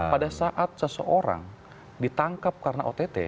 pada saat seseorang ditangkap karena ott